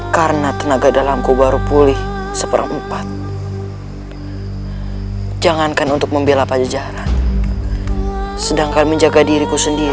karena aku belum bisa menjelaskan